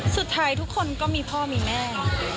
สุดท้ายทุกคนก็มีพ่อมีแม่